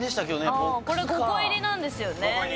ＢＯＸかこれ５個入りなんですよね